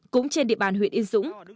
cũng trên địa bàn huyện y dũng